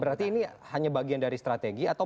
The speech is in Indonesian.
berarti ini hanya bagian dari strategi atau